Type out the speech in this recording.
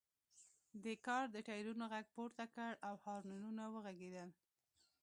دې کار د ټایرونو غږ پورته کړ او هارنونه وغږیدل